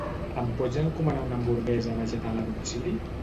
Em pots encomanar una hamburguesa vegetal a domicili?